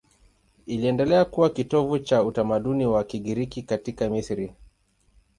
Iliendelea kuwa kitovu cha utamaduni wa Kigiriki katika Misri.